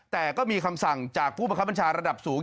แต่ก็มีคำสั่งจากผู้ประคับบัญชาระดับสูง